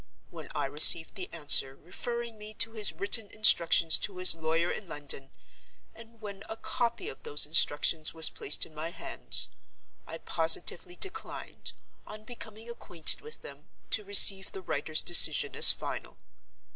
When I received the answer, referring me to his written instructions to his lawyer in London—and when a copy of those instructions was placed in my hands—I positively declined, on becoming acquainted with them, to receive the writer's decision as final.